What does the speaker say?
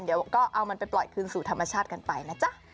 เดี๋ยวก็เอามันไปปล่อยคืนสู่ธรรมชาติกันไปนะจ๊ะ